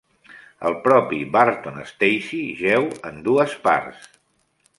El propi Barton Stacey jeu en dues parts.